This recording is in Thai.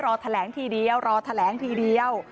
รอแถลงทีเดียวรอแถลงทีเดียว